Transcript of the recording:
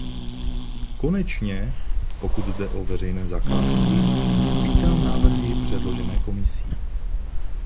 Konečně, pokud jde o veřejné zakázky, vítám návrhy předložené Komisí.